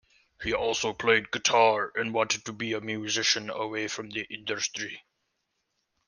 He also played guitar and wanted to be a musician away from the industry.